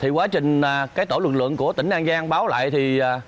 quá trình tổ lực lượng của tỉnh an giang báo lại